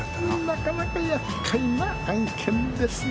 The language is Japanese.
なかなかやっかいな案件ですな。